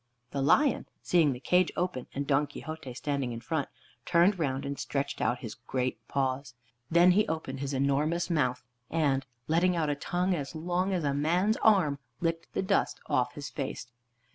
The lion, seeing the cage open, and Don Quixote standing in front, turned round and stretched out his great paws. Then he opened his enormous mouth, and, letting out a tongue as long as a man's arm, licked the dust off his face.